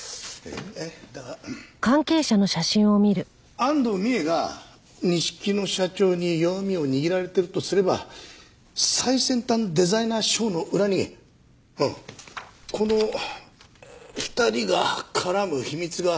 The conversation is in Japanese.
安藤美絵が錦野社長に弱みを握られてるとすれば最先端デザイナー賞の裏にこの２人が絡む秘密があったっていう事でしょうかね？